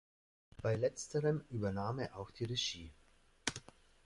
Bei letzterem übernahm er auch die Regie.